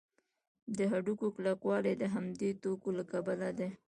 د هډوکو کلکوالی د همدې توکو له کبله دی.